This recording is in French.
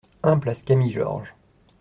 un place Camille Georges